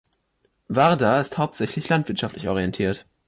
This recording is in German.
Wardha ist hauptsächlich landwirtschaftlich orientiert.